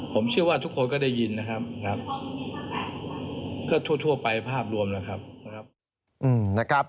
ผมเชื่อว่าทุกคนก็ได้ยินนะครับก็ทั่วไปภาพรวมนะครับ